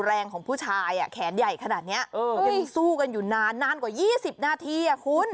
แรงของผู้ชายแขนใหญ่ขนาดนี้เขายังสู้กันอยู่นานนานกว่า๒๐นาทีคุณ